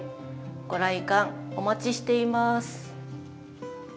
ご来館お待ちしています。